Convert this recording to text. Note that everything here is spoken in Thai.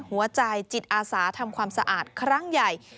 จิตอาสาทำความสะอาดครั้งใหญ่